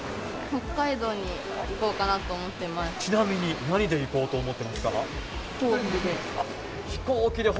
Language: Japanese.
北海道に行こうかなと思ってちなみに何で行こうと思って飛行機で。